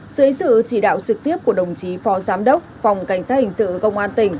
dưới sự chỉ đạo trực tiếp của đồng chí phó giám đốc phòng cảnh sát hình sự công an tỉnh